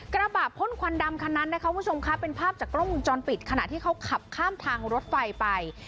กระบะพ่นควันดำคันนั้นนะคะคุณผู้ชมค่ะเป็นภาพจากกล้องวงจรปิดขณะที่เขาขับข้ามทางรถไฟไป